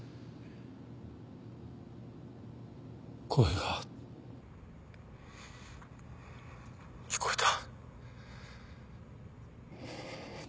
声が聞こえた。